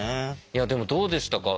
いやでもどうでしたか？